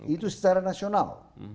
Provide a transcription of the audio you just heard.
itu secara nasional